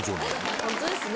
ホントですね。